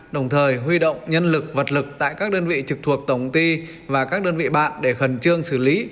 đồng thời huy động nhân lực vật lực tại các đơn vị trực thuộc tổng ty và các đơn vị bạn để khẩn trương xử lý